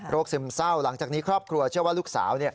ซึมเศร้าหลังจากนี้ครอบครัวเชื่อว่าลูกสาว